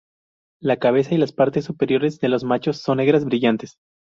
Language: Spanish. La cabeza y las partes superiores de los machos son negras brillantes.